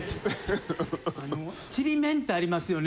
あのちりめんってありますよね。